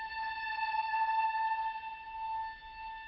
โปรดติดตามตอนต่อไป